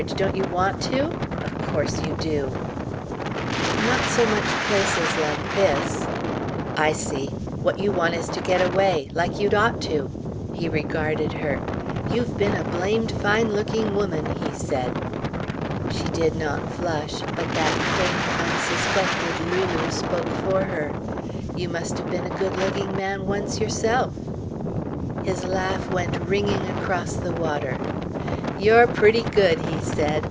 Don't you want to? Of course you do!" "Not so much places like this " "I see. What you want is to get away like you'd ought to." He regarded her. "You've been a blamed fine looking woman," he said. She did not flush, but that faint, unsuspected Lulu spoke for her: "You must have been a good looking man once yourself." His laugh went ringing across the water. "You're pretty good," he said.